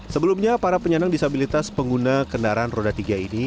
sebelumnya para penyandang disabilitas pengguna kendaraan roda tiga ini